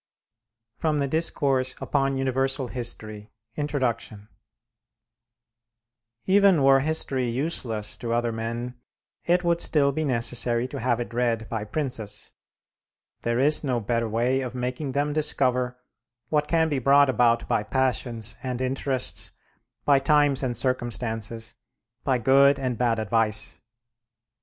FROM THE 'DISCOURSE UPON UNIVERSAL HISTORY' INTRODUCTION Even were history useless to other men, it would still be necessary to have it read by princes. There is no better way of making them discover what can be brought about by passions and interests, by times and circumstances, by good and bad advice.